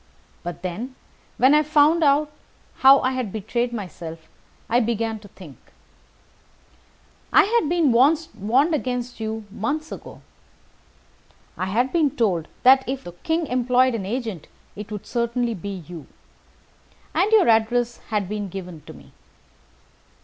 But then, when I found how I had betrayed myself, I began to think. I had been warned against you months ago. I had been told that, if the King employed an agent, it would certainly be you. And your address had been given me.